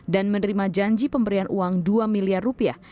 dan menerima janji pemberian uang dua miliar rupiah